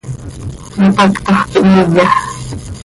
Mipactoj quih hmiya.